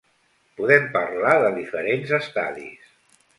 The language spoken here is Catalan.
Podem parlar de diferents estadis.